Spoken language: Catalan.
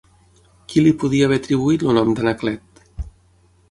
Qui li podia haver atribuït el nom d'Anaclet?